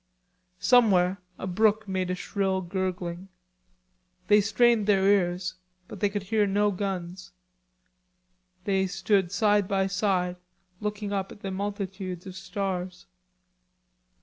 Somewhere a brook made a shrill gurgling. They strained their ears, but they could hear no guns. They stood side by side looking up at the multitudes of stars.